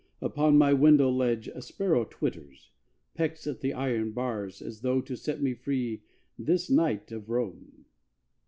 Upon my window ledge A sparrow twitters, pecks at the iron bars As though to set me free this night of Rome.